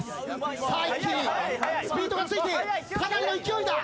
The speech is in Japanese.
一気にスピードがついてかなりの勢いだ！